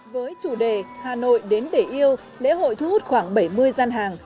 với chủ đề hà nội đến để yêu lễ hội thu hút khoảng bảy mươi gian hàng